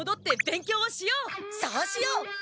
そうしよう。